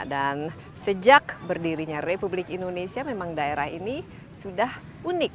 dan sejak berdirinya republik indonesia memang daerah ini sudah unik